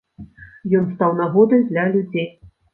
Ён стаў нагодай для людзей.